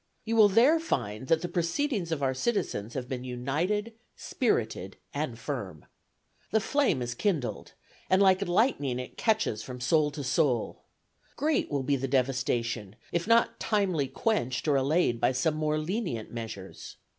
You will there find that the proceedings of our citizens have been united, spirited and firm. The flame is kindled, and like lightning it catches from soul to soul. Great will be the devastation, if not timely quenched or allayed by some more lenient measures.